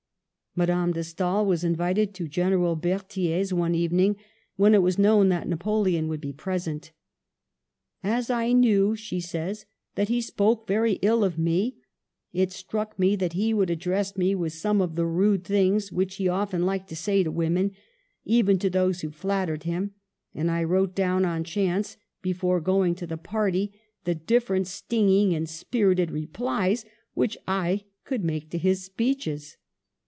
Madame de Stael was invited to General Berthier's one evening when it was known that Napoleon would be present. " As I knew/' she says, " that he spoke very ill of me, it struck me that he would address me with some of the rude things which he often liked to say to women, even to those who flattered him ; and I wrote down on chance, before going to the party, the different stinging and spirited replies which I could make to his speeches.